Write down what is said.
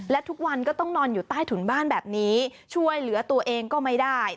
และทุกวันก็ต้องนอนอยู่ใต้ถุนบ้านแบบนี้ช่วยเหลือตัวเองก็ไม่ได้